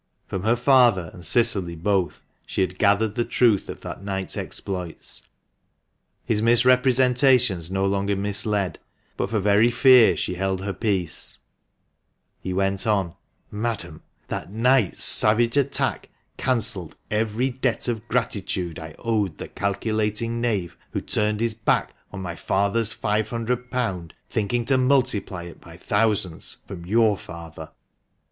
From her father and Cicily both she had gathered the truth of that night's exploits. His misrepresentations no longer misled ; but for very fear she held her peace. He went on —" Madam, that night's savage attack cancelled every debt of gratitude I owed the calculating knave who turned his back on my father's £500, thinking to multiply it by thousands from your father